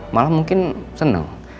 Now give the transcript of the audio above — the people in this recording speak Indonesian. malah mungkin seneng